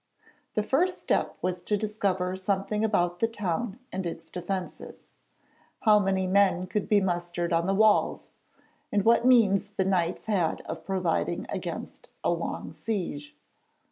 The first step was to discover something about the town and its defences: how many men could be mustered on the walls, and what means the Knights had of providing against a long siege.